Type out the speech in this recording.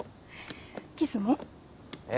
キスも？え？